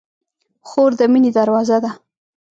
خور د مینې دروازه ده.